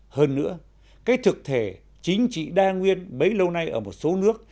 hơn nữa cái thực thể chính trị đa nguyên bấy lâu nay ở một số nước